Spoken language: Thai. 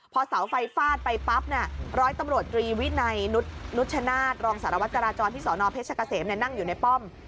พอเสาไฟฟาดไปปั๊บร้อยตำรวจตรีวินัยนุชชนาศรองสารวัตรจราจรที่สนเพชรกะเสมนั่งอยู่ในป้อม